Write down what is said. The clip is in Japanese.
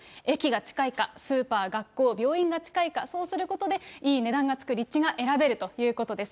駅が近いか、スーパー、学校、病院が近いか、そうすることで、いい値段がつく、立地が選べるということです。